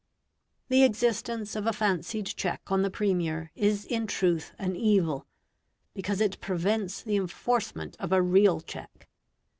The existence of a fancied check on the Premier is in truth an evil, because it prevents the enforcement of a real check.